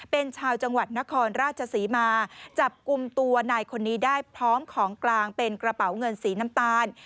เป็นชาวจังหวัดนครราชศรีมาจับกลุ่มตัวนายคนนี้ได้พร้อมของกลางเป็นกระเป๋าเงินสีน้ำตาล